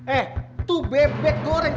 eh tuh bebek goreng